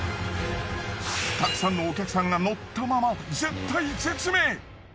たくさんのお客さんが乗ったまま絶体絶命！